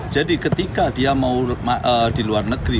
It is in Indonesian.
jadi ketika dia mau di luar negeri